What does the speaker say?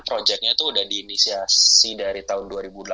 proyeknya itu udah diinisiasi dari tahun dua ribu delapan belas